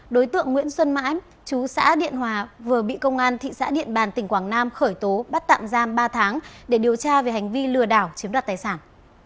đối tượng nguyễn xuân mãn chú xã điện hòa vừa bị công an thị xã điện bàn tỉnh quảng nam khởi tố bắt tạm giam ba tháng để điều tra về hành vi lừa đảo chiếm đoạt tài sản